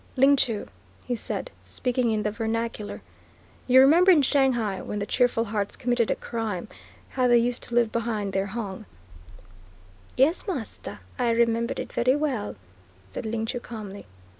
"Ling Chu," he said, speaking in the vernacular, "you remember in Shanghai when the 'Cheerful Hearts' committed a crime, how they used to leave behind their hong?" "Yes, master, I remember it very well," said Ling Chu calmly.